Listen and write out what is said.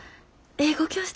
英語教室？